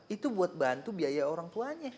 itu buat bantu biaya orang tuanya